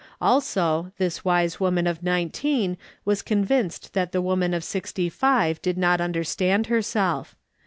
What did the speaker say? Also, this wise woman of nineteen was convinced that the woman of sixty five did not understand herself.